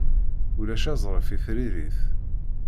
Ulac azref i tririt.